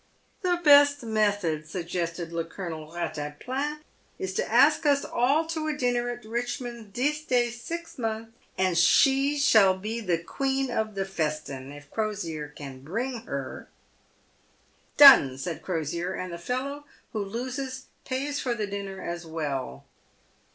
" The best method," suggested le Colonel Battaplan, " is to ask us all to a dinner at Bichmonds dis day six month, and she shall be de queen of de festin — if Crosier can bring her." " Done !" said Crosier, " and the fellow who loses pays for the dinner as well."